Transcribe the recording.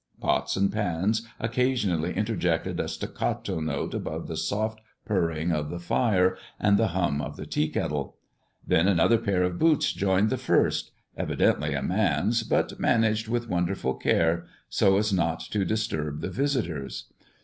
Pots and pans occasionally interjected a staccato note above the soft purring of the fire and the hum of the teakettle. Then another pair of boots joined the first, evidently a man's, but managed with wonderful care so as not to disturb the visitors.